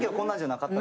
なかった。